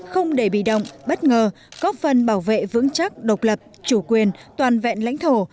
không để bị động bất ngờ góp phần bảo vệ vững chắc độc lập chủ quyền toàn vẹn lãnh thổ